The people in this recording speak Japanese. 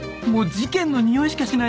事件のにおいしかしないっすね。